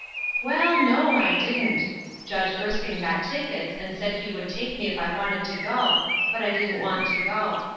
" Well, no, I didn't. Judge Erskine got tick ets, and said he would take me if I wanted to go ; but I didn't want to go.